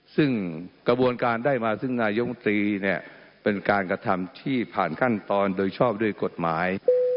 ซึ่งกระบวนการได้มาซึ่งนายมตรีเนี่ยเป็นการกระทำที่ผ่านขั้นตอนโดยชอบด้วยกฎหมาย